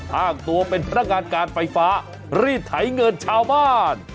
อ้างตัวเป็นพนักงานการไฟฟ้ารีดไถเงินชาวบ้าน